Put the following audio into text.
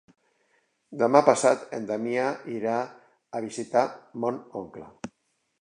Demà passat en Damià irà a visitar mon oncle.